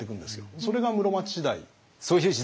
それが室町時代。